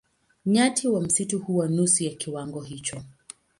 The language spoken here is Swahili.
Nyati wa msitu huwa nusu ya kiwango hicho.